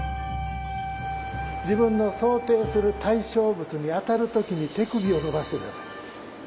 自分の想定する対象物に当たる時に手首を伸ばして下さい当たる時に。